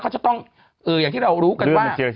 เขาจะต้องอย่างที่เรารู้กันว่า